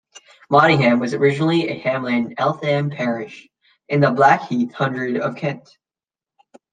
Mottingham was originally a hamlet in Eltham parish, in the Blackheath hundred of Kent.